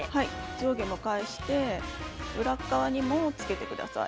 上下を返して裏側にもつけてください。